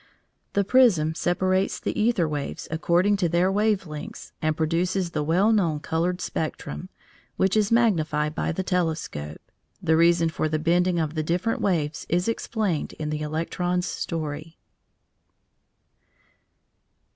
The prism separates the æther waves according to their wave lengths, and produces the well known coloured spectrum, which is magnified by the telescope. The reason for the bending of the different waves is explained in the electron's story.